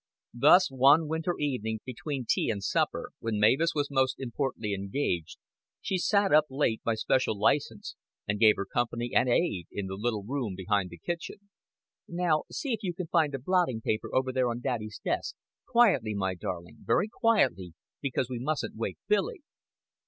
Thus one winter evening between tea and supper, when Mavis was most importantly engaged, she sat up late by special license and gave her company and aid in the little room behind the kitchen. "Now, see if you can find the blotting paper over there on daddy's desk. Quietly, my darling. Very quietly because we mustn't wake Billy."